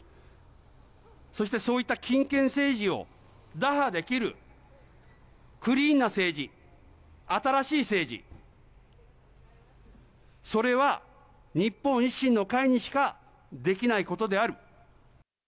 そしてそういった金権政治を打破できるクリーンな政治、新しい政治、それは日本維新の会にしかできないことである。